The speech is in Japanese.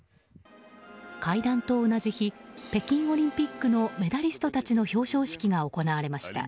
会談と同じ日北京オリンピックのメダリストたちの表彰式が行われました。